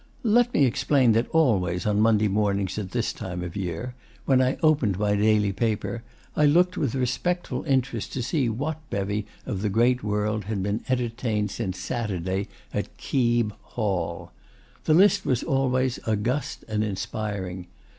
Let me explain that always on Monday mornings at this time of year, when I opened my daily paper, I looked with respectful interest to see what bevy of the great world had been entertained since Saturday at Keeb Hall. The list was always august and inspiring.